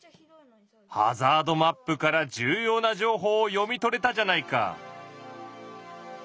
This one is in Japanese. ハザードマップから重要な情報を読み取れたじゃないか！